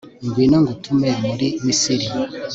ngwino ngutume muri misiri